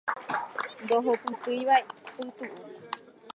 Ndohupytýiva pytu'u